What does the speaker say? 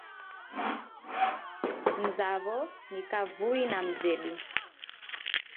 Mzaw'o ni kavui na mzedu